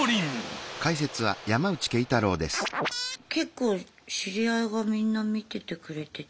結構知り合いがみんな見ててくれてて。